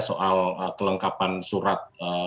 soal kelengkapan surat